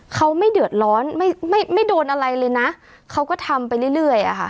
เขาไม่เดือดร้อนไม่ไม่โดนอะไรเลยนะเขาก็ทำไปเรื่อยอะค่ะ